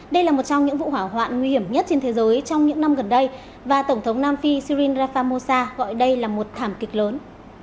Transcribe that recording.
đây là một trong những vụ hỏa hoạn nguy hiểm nhất trên thế giới trong những năm gần đây và tổng thống nam phi sirin rafa mosa gọi đây là một thảm kịch lớn